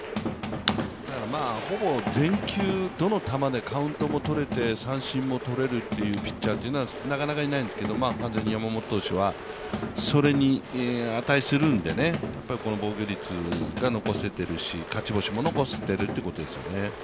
ほぼ全球、どの球でカウントも取れて三振も取れるピッチャーは、なかなかいないんですけれども、完全に山本投手はそれに値するんですね、この防御率が残せているし、勝ち星も残せているということですね。